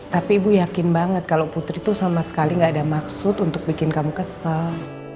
tapi ibu yakin banget kalau putri itu sama sekali gak ada maksud untuk bikin kamu kesal